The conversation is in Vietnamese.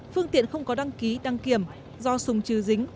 phương tiện không có đăng ký đăng kiểm do sùng trừ dính